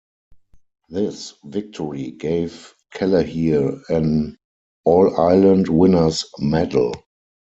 This victory gave Kelleher an All-Ireland winners' medal.